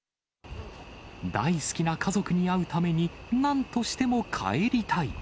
大好きな家族に会うために、なんとしても帰りたい。